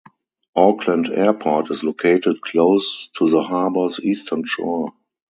Auckland Airport is located close to the harbour's eastern shore.